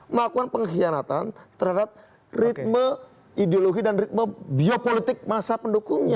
melakukan pengkhianatan terhadap ritme ideologi dan ritme biopolitik masa pendukungnya